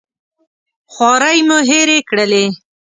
خوارۍ مو هېرې کړلې.